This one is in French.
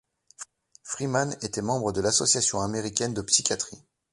Freeman était membre de l'Association américaine de psychiatrie.